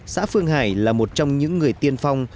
xã phương hải là một trong những người tiên phong